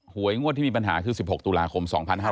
วยงวดที่มีปัญหาคือ๑๖ตุลาคม๒๕๕๙